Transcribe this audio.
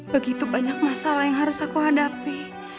begitu banyak masalah yang harus aku hadapi